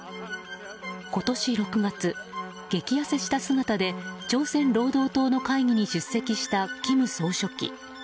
今年６月、激痩せした姿で朝鮮労働党の会議に出席した金総書記。